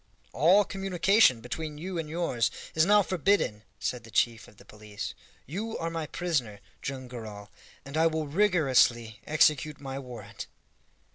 "All communication between you and yours is now forbidden," said the chief of the police. "You are my prisoner, Joam Garral, and I will rigorously execute my warrant."